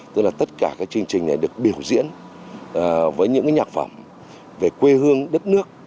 tức là tất cả các chương trình này được biểu diễn với những nhạc phẩm về quê hương đất nước